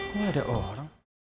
kok ada orang